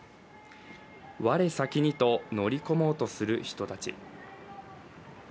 我先にと乗り込もうとする人たち。